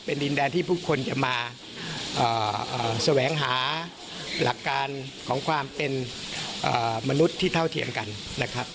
เป็นดินแดนที่ผู้คนจะมาแสวงหาหลักการของความเป็นมนุษย์ที่เท่าเทียมกันนะครับ